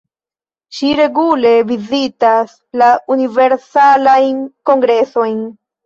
Ŝi regule vizitas la universalajn kongresojn.